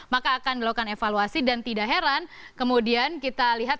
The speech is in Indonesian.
maka akan dilakukan evaluasi dan tidak heran kemudian kita lihat